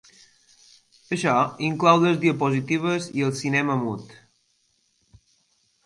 Açò inclou les diapositives i el cinema mut.